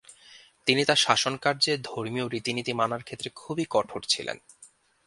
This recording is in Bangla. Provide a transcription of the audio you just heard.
তিনি তার শাসনকার্জে ধর্মীয় রীতিনীতি মানার ক্ষেত্রে খুবই কঠোর ছিলেন।